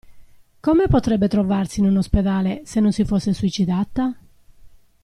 Come potrebbe trovarsi in un ospedale, se non si fosse suicidata?